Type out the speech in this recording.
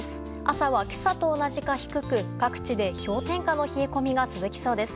朝は今朝と同じか低く各地で氷点下の冷え込みが続きそうです。